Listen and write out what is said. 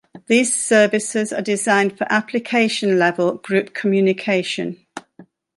These services are designed for application-level group communication.